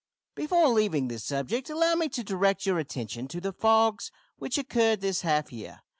"Before leaving this subject allow me to direct your attention to the fogs which occurred this half year.